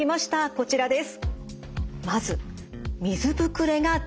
こちらです。